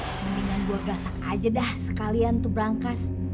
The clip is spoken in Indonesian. mendingan gue gasak aja dah sekalian tuh berangkas